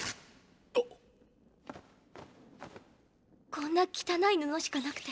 こんな汚い布しかなくて。